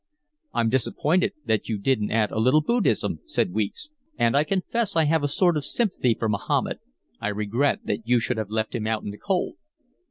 "I'm disappointed that you didn't add a little Buddhism," said Weeks. "And I confess I have a sort of sympathy for Mahomet; I regret that you should have left him out in the cold."